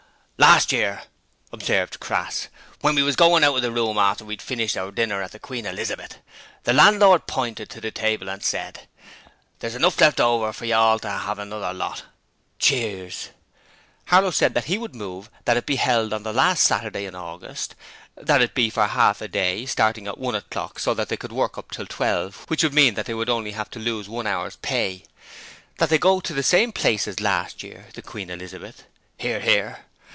'Last year,' observed Crass, 'when we was goin' out of the room after we'd finished our dinner at the Queen Elizabeth, the landlord pointed to the table and said, "There's enough left over for you all to 'ave another lot."' (Cheers.) Harlow said that he would move that it be held on the last Saturday in August; that it be for half a day, starting at one o'clock so that they could work up till twelve, which would mean that they would only have to lose one hour's pay: that they go to the same place as last year the Queen Elizabeth. (Hear, hear.)